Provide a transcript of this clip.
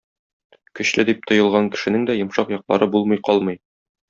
Көчле дип тоелган кешенең дә йомшак яклары булмый калмый.